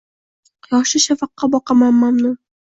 Quyoshli shafaqqa boqaman mamnun